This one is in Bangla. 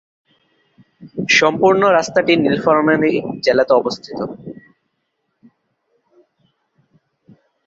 সম্পূর্ণ রাস্তাটি নীলফামারী জেলাতে অবস্থিত।